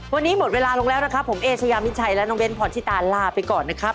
วันนี้หมดเวลาลงแล้วนะครับผมเอเชยามิชัยและน้องเบ้นพรชิตาลาไปก่อนนะครับ